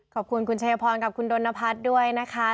ขอบคุณคุณชัยพรกับคุณดนพัฒน์ด้วยนะคะ